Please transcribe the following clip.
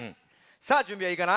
さあじゅんびはいいかな？